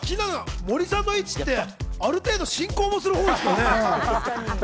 森さんの位置ってある程度、進行もするんですかね？